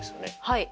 はい。